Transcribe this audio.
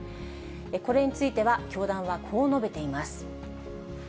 これについては、教団はこう述べています。